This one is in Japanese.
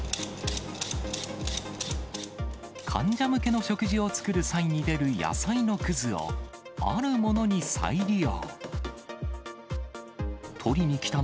患者向けの食事を作る際に出る野菜のくずを、あるものに再利用。